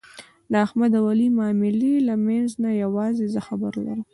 د احمد او علي د معاملې له منځ نه یووازې زه خبر لرم.